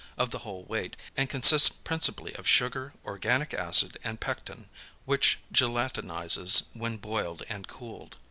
of the whole weight, and consists principally of sugar, organic acid, and pectin (which gelatinizes when boiled and cooled).